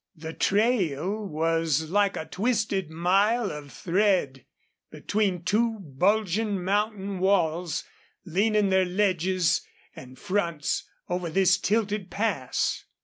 The trail was like a twisted mile of thread between two bulging mountain walls leaning their ledges and fronts over this tilted pass.